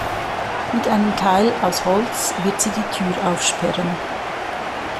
Mit einem Keil aus Holz wird sie die Tür aufsperren.